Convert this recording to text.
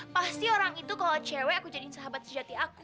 pasti orang itu kalau cewek aku jadiin sahabat sejati aku